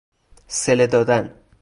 صله دادن